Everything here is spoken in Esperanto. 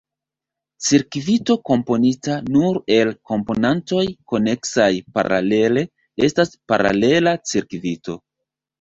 Cirkvito komponita nur el komponantoj koneksaj paralele estas paralela cirkvito.